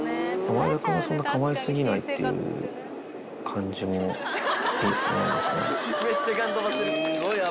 そんなかまい過ぎないっていう感じもいいっすね。